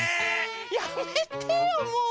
やめてよもう！